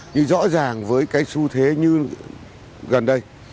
nhưng rõ ràng với cái xu thế như gần đây